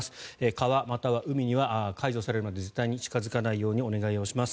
川、または海には解除されるまで絶対に近付かないようにお願いします。